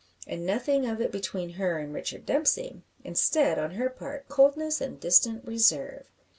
And nothing of it between her and Richard Dempsey. Instead, on her part, coldness and distant reserve.